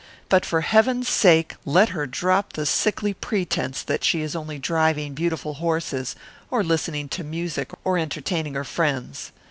But for heaven's sake let her drop the sickly pretence that she is only driving beautiful horses, or listening to music, or entertaining her friends.